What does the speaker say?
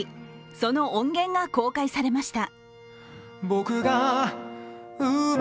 その音源が公開されました。